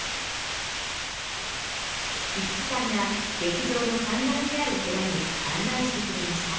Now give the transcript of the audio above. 樹さんが劇場の３階にある部屋に案内してくれました。